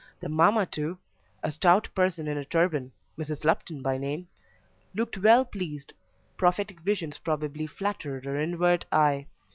The mamma too (a stout person in a turban Mrs. Lupton by name) looked well pleased; prophetic visions probably flattered her inward eye.